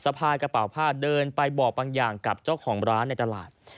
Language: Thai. พายกระเป๋าผ้าเดินไปบอกบางอย่างกับเจ้าของร้านในตลาด